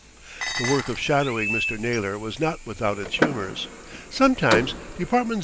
The work of shadowing Mr. Naylor was not without its humours. Sometimes Department Z.